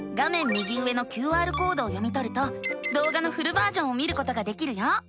右上のＱＲコードを読みとるとどうがのフルバージョンを見ることができるよ。